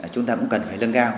chúng ta cũng cần phải lưng cao